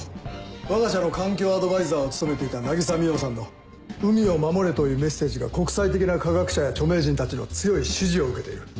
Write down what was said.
わが社の環境アドバイザーを務めていた渚海音さんの「海を守れ」というメッセージが国際的な科学者や著名人たちの強い支持を受けている。